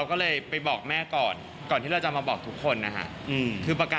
อันนี้ไม่ได้ระบุค่ะ